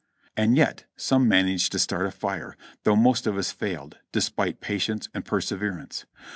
And yet some managed to start a fire, though most of us failed, despite patience and perseverance.